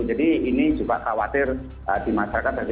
jadi ini juga khawatir di masyarakat